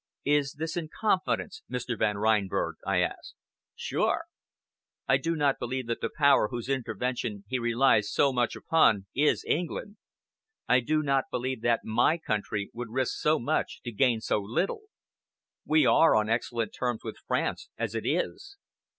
"Is this in confidence, Mr. Van Reinberg?" I asked. "Sure!" "I do not believe that the Power whose intervention he relies so much upon is England. I do not believe that my country would risk so much to gain so little. We are on excellent terms with France as it is.